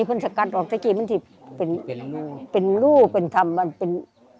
เป็นรูเป็นธรรมมันเป็น